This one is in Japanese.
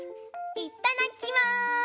いただきます！